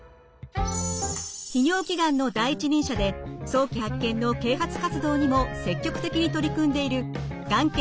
泌尿器がんの第一人者で早期発見の啓発活動にも積極的に取り組んでいるがん研